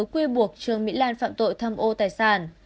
quy buộc trương mỹ lan phạm tội tham ô tài sản